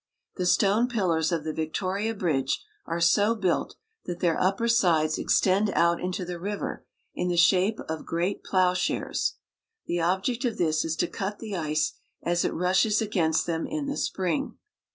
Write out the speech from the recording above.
The stone pillars of the Victoria Bridge are so built that their upper sides extend out into the river in the shape of great plowshares. The object of this is to cut the ice as it rushes against them in the spring.